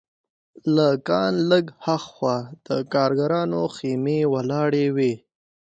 له کان لږ هاخوا د کارګرانو خیمې ولاړې وې